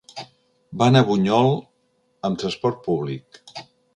Va anar a Bunyol amb transport públic.